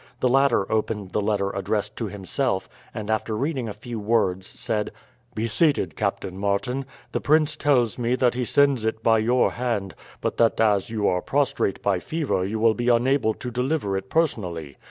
The latter opened the letter addressed to himself, and after reading a few words said: "Be seated, Captain Martin. The prince tells me that he sends it by your hand, but that as you are prostrate by fever you will be unable to deliver it personally.